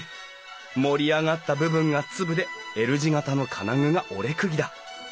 盛り上がった部分がツブでＬ字形の金具が折釘だ。